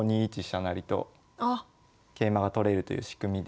成と桂馬が取れるという仕組みで。